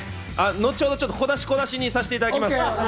後ほど小出し、小出しにさせていただきます。